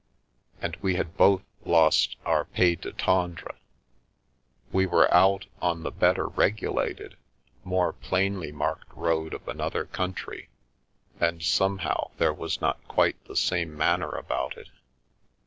And we had both lost our 320 The World Obtrudes Itself Pays du Tendre . We were out on the better regu lated, more plainly marked road of another country, and somehow there was not quite the same manner about it.